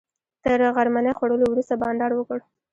تر غرمنۍ خوړلو وروسته بانډار وکړ.